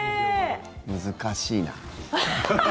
難しいな。